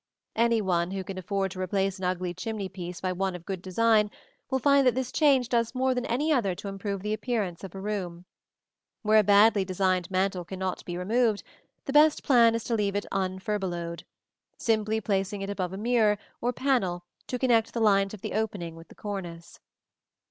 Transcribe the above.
Any one who can afford to replace an ugly chimney piece by one of good design will find that this change does more than any other to improve the appearance of a room. Where a badly designed mantel cannot be removed, the best plan is to leave it unfurbelowed, simply placing above it a mirror or panel to connect the lines of the opening with the cornice.